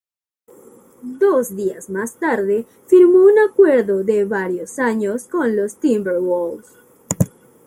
Dos días más tarde, firmó un acuerdo de varios años con los Timberwolves.